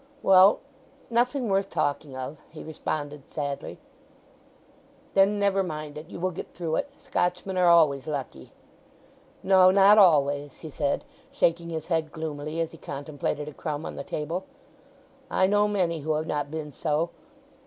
"Well—nothing worth talking of," he responded sadly. "Then, never mind it. You will get through it, Scotchmen are always lucky." "No—not always!" he said, shaking his head gloomily as he contemplated a crumb on the table. "I know many who have not been so!